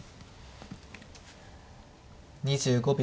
２５秒。